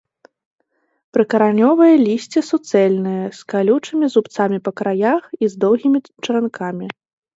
Прыкаранёвае лісце суцэльнае, з калючымі зубцамі па краях і з доўгімі чаранкамі.